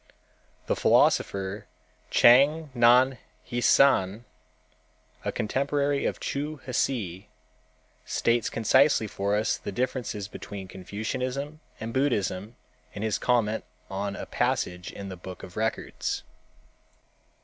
The philosopher, Chang Nan hsüan, a contemporary of Chu Hsi, states concisely for us the differences betwen Confucianism and Buddhism in his comment on a passage in the _Book of Records.